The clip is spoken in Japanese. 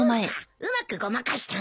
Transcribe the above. うまくごまかしたな。